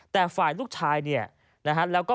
แต่ฝ่ายลูกชายเนี่ยแล้วก็